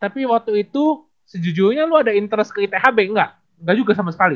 tapi waktu itu sejujurnya lu ada interest ke ithb enggak enggak juga sama sekali